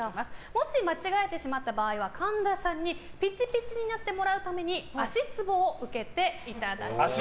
もし間違えてしまった場合は神田さんにピチピチになってもらうために足ツボを受けていただきます。